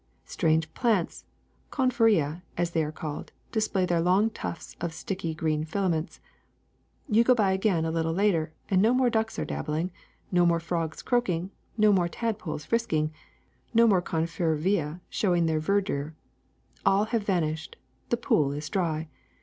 Strange plants, confervce, as they are called, display their long tufts of sticky green filaments. *' You go by again a little later and no more ducks are dabbling, no more frogs croaking, no more tad poles frisking, no more confervce showing their ver dure. All have vanished. The pool is dry.